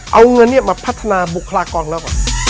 เอาเงินเนี่ยมาพัฒนาบุคลากรแล้ว